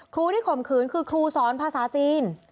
ครูที่ข่มขืนคือครูสอนภาษาจีน